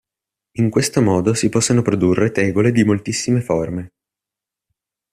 In questo modo si possono produrre tegole di moltissime forme.